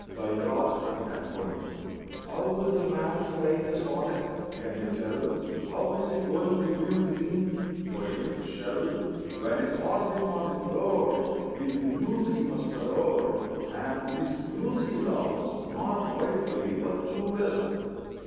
THE POET AND THE BABY How's a man to write a sonnet, can you tell, How's he going to weave the dim, poetic spell, When a toddling on the floor Is the muse he must adore, And this muse he loves, not wisely, but too well?